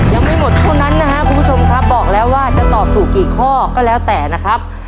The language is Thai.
ยังไม่หมดเท่านั้นนะครับคุณผู้ชมครับบอกแล้วว่าจะตอบถูกกี่ข้อก็แล้วแต่นะครับ